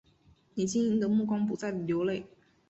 你晶莹的目光不再流泪